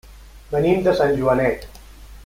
Venim de Sant Joanet.